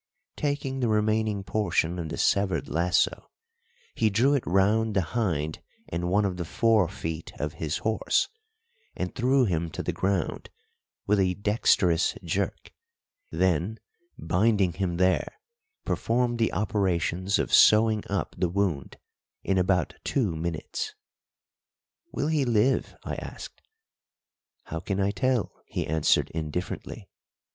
Taking the remaining portion of the severed lasso, he drew it round the hind and one of the fore feet of his horse, and threw him to the ground with a dexterous jerk; then, binding him there, performed the operations of sewing up the wound in about two minutes. "Will he live?" I asked. "How can I tell?" he answered indifferently.